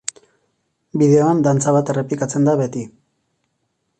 Bideoan dantza bat errepikatzen da beti.